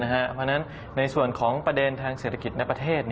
เพราะฉะนั้นในส่วนของประเด็นทางเศรษฐกิจในประเทศ